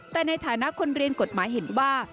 แต่ในฐานะคนเรียนกฎหมายเห็นว่า